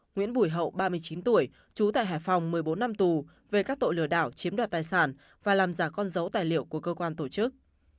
nguyễn bùi hậu ba mươi chín tuổi trú tại hải phòng một mươi bốn năm tù về các tội lừa đảo chiếm đoạt tài sản và làm giả con dấu tài liệu của cơ quan tổ chức